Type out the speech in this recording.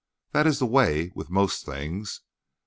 That is the way with most things.